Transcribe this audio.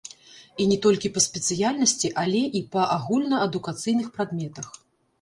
І не толькі па спецыяльнасці, але і па агульнаадукацыйных прадметах.